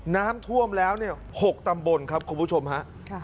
น้ำท่วมแล้ว๖ตำบลครับคุณผู้ชมฮะ